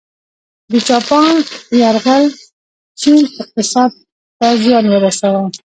د جاپان یرغل چین اقتصاد ته زیان ورساوه.